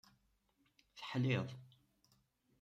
Teḥliḍ.